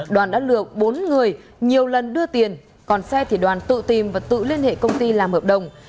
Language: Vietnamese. đoàn đã lừa bốn người nhiều lần đưa tiền còn xe thì đoàn tự tìm và tự liên hệ công ty làm hợp đồng